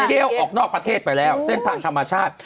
แก้วออกนอกประเทศไปแล้วเส้นทางธรรมชาติ